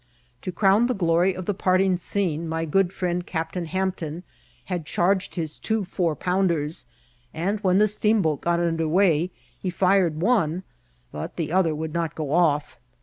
To crown the glory of the parting scene, my good friend Captain Hampton had charged his two four* pounders, and when the steamboat got under way he fired one, but the other would not go off.